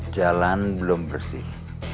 jalan belum bersih